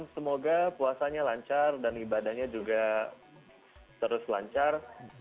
semoga puasanya lancar dan ibadahnya juga terus lancar